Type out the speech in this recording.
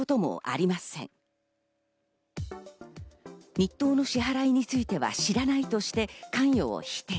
日当の支払いについては知らないとして関与を否定。